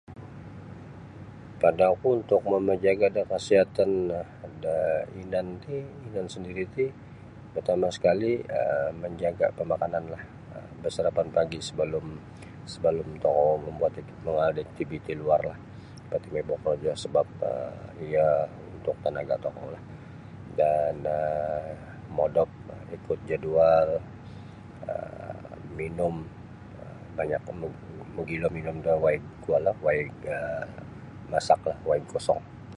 Pada oku untuk mamajaga' da kasiatan da inan ti inan sandiri' ti partama' sekali um manjaga' pamakananlah basarapan pagi sabalum sabalum tokou mambuat mangaal da iktiviti luarlah seperti mongoi bokorojo sebap iyo untuk tanaga tokoulah dan modop ikut jadual um minum banyak mogilo minum da waig kuolah waig um masaklah waig kosong.